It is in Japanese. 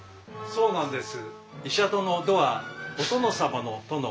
そうなんです。